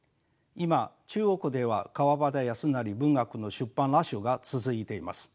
今中国では川端康成文学の出版ラッシュが続いています。